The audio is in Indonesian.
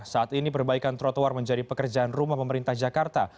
saat ini perbaikan trotoar menjadi pekerjaan rumah pemerintah jakarta